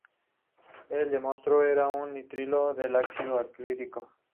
Él demostró que era un nitrilo del ácido acrílico.